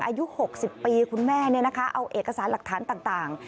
อายุหกสิบปีคุณแม่เนี่ยนะคะเอาเอกสารหลักฐานต่างต่าง